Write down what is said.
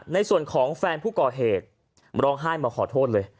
ในส่วนของแฟนผู้ก่อเหตุร้องไห้มาขอโทษเลย